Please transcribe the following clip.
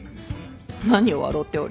何を笑うておる。